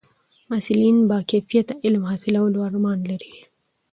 محصلین د با کیفیته علم حاصلولو ارمان لري.